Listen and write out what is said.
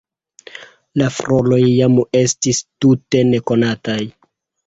La floroj jam estis tute nekonataj.